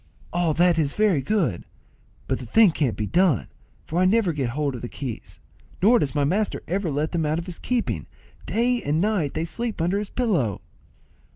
"All that is very good; but the thing can't be done, for I never get hold of the keys, nor does my master ever let them out of his keeping; day and night they sleep under his pillow."